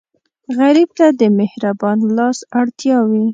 غریب ته د مهربان لاس اړتیا وي